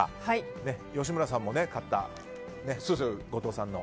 吉村さんも買った後藤さんの。